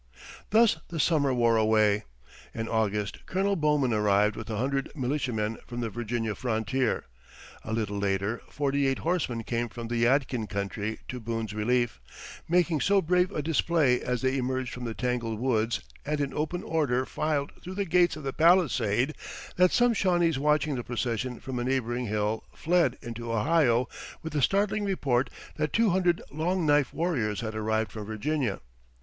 Thus the summer wore away. In August Colonel Bowman arrived with a hundred militiamen from the Virginia frontier. A little later forty eight horsemen came from the Yadkin country to Boone's relief, making so brave a display as they emerged from the tangled woods and in open order filed through the gates of the palisade, that some Shawnese watching the procession from a neighboring hill fled into Ohio with the startling report that two hundred Long Knife warriors had arrived from Virginia.